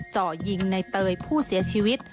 เจาะยิงในเตยผู้เสียชีวิต